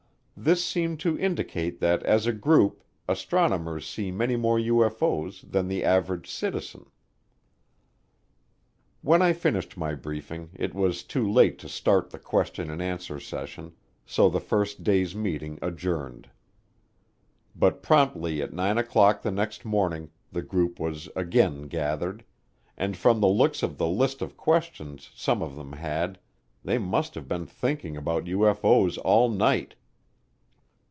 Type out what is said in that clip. This seemed to indicate that as a group astronomers see many more UFO's than the average citizen. When I finished my briefing, it was too late to start the question and answer session, so the first day's meeting adjourned. But promptly at nine o'clock the next morning the group was again gathered, and from the looks of the list of questions some of them had, they must have been thinking about UFO's all night.